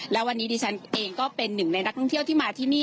และวันนี้ดิฉันเองก็เป็นหนึ่งในนักท่องเที่ยวที่มาที่นี่